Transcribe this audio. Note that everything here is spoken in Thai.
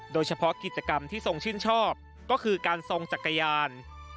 โดยเฉพาะกิจกรรมที่ทรงชื่นชอบก็คือการทรงจักรยาน